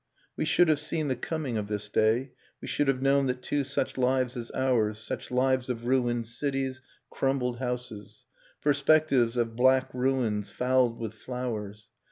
We should have seen the coming of this day. We should have known that two such lives as ours, Such lives of ruined cities, crumbled houses. Perspectives of black ruins fouled with flowers.